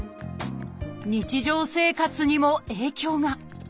日常生活にも影響が。